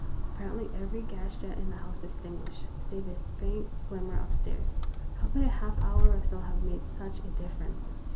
Ap parently every gas jet in the house extinguished, save a faint glimmer up stairs. How could a half hour or so have made such a difference